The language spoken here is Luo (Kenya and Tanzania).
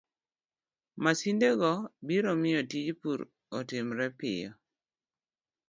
Masindego biro miyo tij pur otimre piyo,